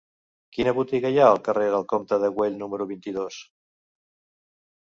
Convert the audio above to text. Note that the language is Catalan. Quina botiga hi ha al carrer del Comte de Güell número vint-i-dos?